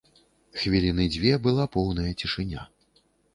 Хвіліны дзве была поўная цішыня.